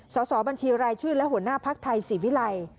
สอบบัญชีรายชื่อและหัวหน้าภักดิ์ไทยศรีวิลัย